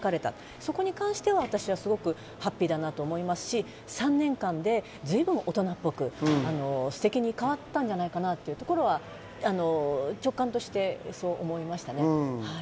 そこに関しては私はすごくハッピーだなと思いますし、３年間で随分大人っぽくステキに変わったんじゃないかなというところは直感としてそう思いましたね。